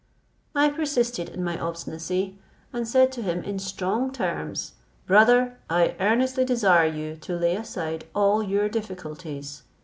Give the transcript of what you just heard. I persisted in my obstinacy, and said to him in strong terms, "Brother, I earnestly desire you to lay aside all your difficulties.